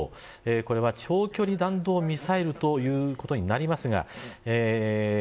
これは長距離弾道ミサイルということになりますが￥ＩＣＢＭ